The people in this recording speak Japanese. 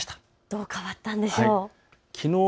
どう変わったんでしょう。